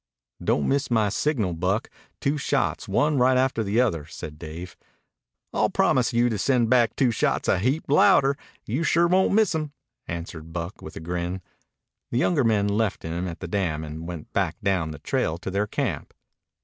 "Don't miss my signal, Buck. Two shots, one right after another," said Dave. "I'll promise you to send back two shots a heap louder. You sure won't miss 'em," answered Buck with a grin. The younger men left him at the dam and went back down the trail to their camp.